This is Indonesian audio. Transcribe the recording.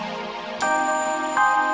stun bungkang pengalaman